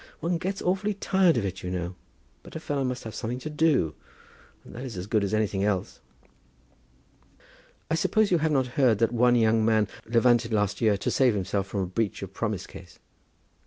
One gets awfully tired of it, you know. But a fellow must have something to do, and that is as good as anything else." "I suppose you have not heard that one young man levanted last year to save himself from a breach of promise case?"